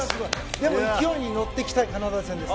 勢いに乗っていきたいカナダ戦です。